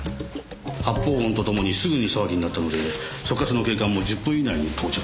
発砲音と共にすぐに騒ぎになったので所轄の警官も１０分以内に到着してます。